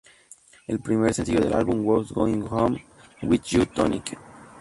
El primer sencillo del álbum, "Who's Going Home With You Tonight?